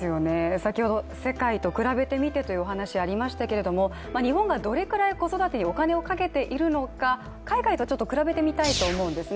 先ほど世界と比べてみてというお話がありましたが、日本がどれくらい子育てにお金をかけているのか海外と比べてみたいと思うんですね。